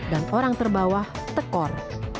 dan orang terbawah tekor